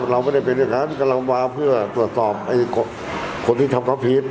เราไม่ได้เป็นอย่างนั้นกำลังมาเพื่อตรวจสอบคนที่ทำความผิด